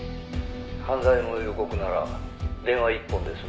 「犯罪の予告なら電話一本で済む」